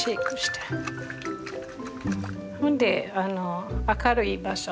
ほんで明るい場所